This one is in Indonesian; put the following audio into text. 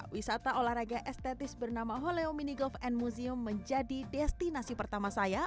dua ribu dua puluh dua wisata olahraga estetis bernama holeo mini golf and museum menjadi destinasi pertama saya